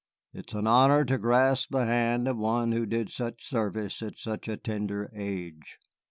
"It is an honor to grasp the hand of one who did such service at such a tender age."